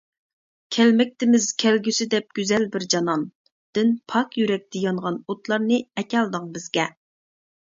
( «كەلمەكتىمىز كەلگۈسى دەپ گۈزەل بىر جانان» دىن) پاك يۈرەكتە يانغان ئوتلارنى ئەكەلدىڭ بىزگە.